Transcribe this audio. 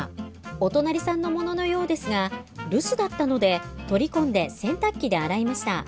お隣さんのもののようですが留守だったので取り込んで洗濯機で洗いました。